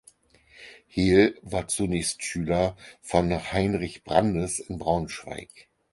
Heel war zunächst Schüler von Heinrich Brandes in Braunschweig.